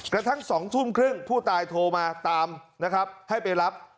กระทั่ง๒ทุ่มครึ่งผู้ตายโทรมาตามนะครับให้ไปรับ